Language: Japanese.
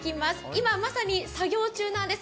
今まさに作業中なんです。